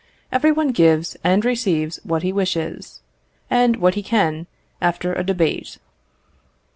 Every one gives and receives what he wishes, and what he can, after a debate.